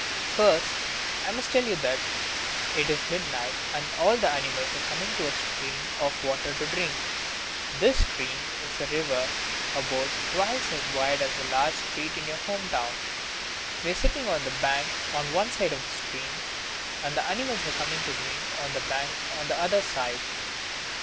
First, I must tell you that it is midnight, and all the animals are coming to a stream of water to drink. This stream is a river about twice as wide as a large street in your home town. We are sitting on the bank, on one side of the stream; and the animals are coming to drink on the bank on the other side.